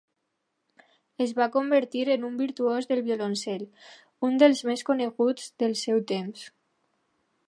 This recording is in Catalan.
Es va convertir en un virtuós del violoncel, un dels més coneguts del seu temps.